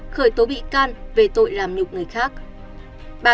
khởi tố bị can về tội làm nhục người khác